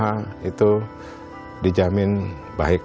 ya pengusaha itu dijamin baik